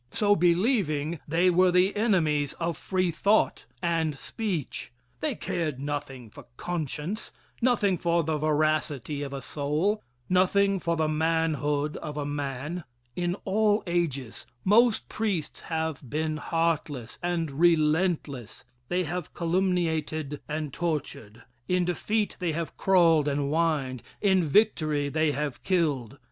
So believing, they were the enemies of free thought and speech they cared nothing for conscience, nothing for the veracity of a soul, nothing for the manhood of a man. In all ages most priests have been heartless and relentless. They have calumniated and tortured. In defeat they have crawled and whined. In victory they have killed.